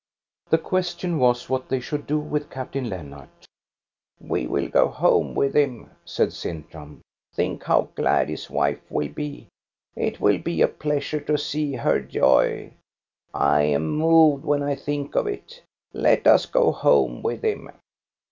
The question was what they should do with Captain Lennart, " We will go home with him," said Sintram. "Think how glad his wife will be! It will be a pleasure to see her Joy. I am moved when I think of it. Let us go home with him